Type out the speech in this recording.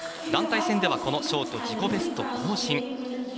団体戦では、ショート自己ベスト更新。